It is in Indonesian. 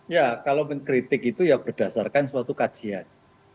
ya kalau mengkritik itu ya berdasarkan suatu kajian